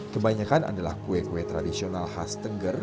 kebanyakan adalah kue kue tradisional khas tengger